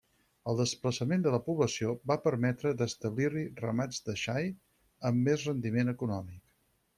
El desplaçament de la població va permetre d'establir-hi ramats de xais, amb més rendiment econòmic.